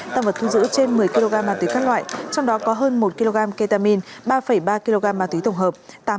tăng vật thu giữ trên một mươi kg ma túy các loại trong đó có hơn một kg ketamine ba ba kg ma túy tổng hợp